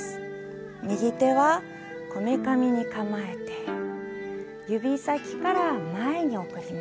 右手はこめかみに構えて指先から前に送ります。